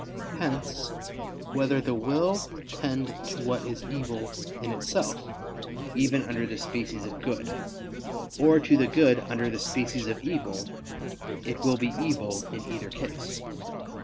Hence, whether the will tend to what is evil in itself, even under the species of good; or to the good under the species of evil, it will be evil in either case.